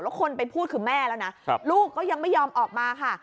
แล้วคนไปพูดคือแม่แล้วนะลูกก็ยังไม่ยอมออกมาค่ะ